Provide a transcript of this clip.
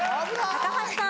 高橋さん。